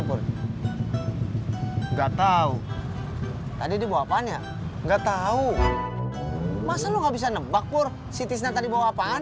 enggak tahu tadi dibawa panjang enggak tahu masa lu nggak bisa nebak pur si tisnya tadi bawa apaan